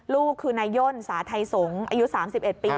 ลูกคือนายย่นสาธัยสงฆ์อายุ๓๑ปี